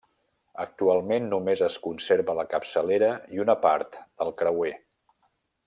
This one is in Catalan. Actualment només es conserva la capçalera i una part del creuer.